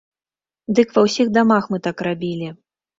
Дык ва ўсіх дамах мы так рабілі.